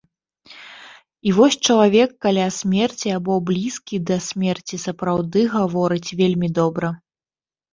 І вось чалавек каля смерці або блізкі да смерці сапраўды гаворыць вельмі добра.